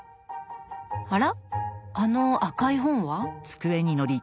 あらあの赤い本は？